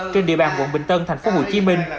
trên địa bàn quận bình tân tp hcm